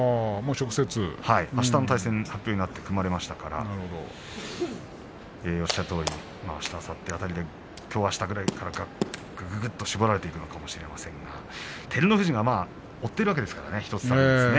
あしたの対戦が発表になって組まれましたからおっしゃるとおりあした、あさって辺りできょう、あした辺りからぐぐぐっと絞られるかもしれませんが照ノ富士が追っているわけですからね、１つ差で。